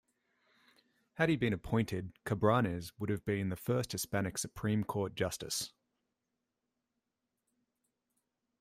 Had he been appointed, Cabranes would have been the first Hispanic Supreme Court justice.